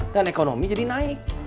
dan ekonomi jadi naik